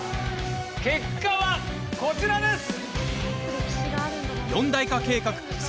結果は、こちらです。